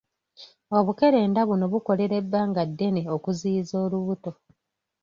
Obukerenda buno bukolera ebbanga ddene okuziyiza olubuto.